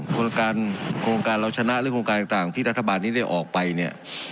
โครงการโครงการเราชนะหรือโครงการต่างที่รัฐบาลนี้ได้ออกไปเนี่ย